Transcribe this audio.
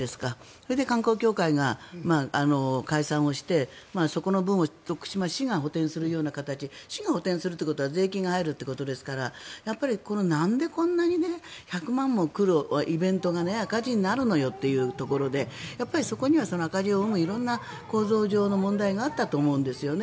それで観光協会が解散してそこの分を徳島市が補てんする形で市が補てんするということは税金が入るということですからなんでこんなに１００万も来るイベントが赤字になるのよというところでそこには赤字を生む構造上の問題があったと思うんですよね。